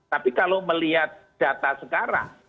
tapi kalau melihat data sekarang